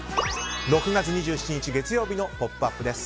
６月２７日、月曜日の「ポップＵＰ！」です。